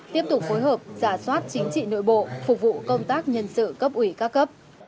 tiếp tục phối hợp giả soát chính trị nội bộ phục vụ công tác nhân sự cấp ủy các cấp